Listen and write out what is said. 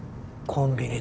コンビニ？